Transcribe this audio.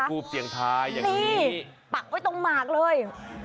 จุดทูบเสี่ยงทายแบบนี้ตักไว้ตรงหมากเลย